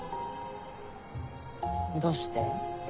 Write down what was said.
どうして？